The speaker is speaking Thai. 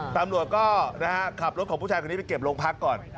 ตำรวจก็ขับรถของผู้ชายคนนี้ไปเก็บโรงพักก่อน